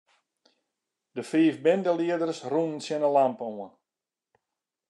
De fiif bindelieders rûnen tsjin 'e lampe oan.